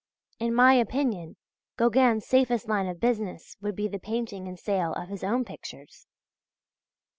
In my opinion Gauguin's safest line of business would be the painting and sale of his own pictures.